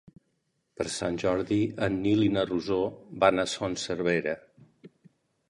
Per Sant Jordi en Nil i na Rosó van a Son Servera.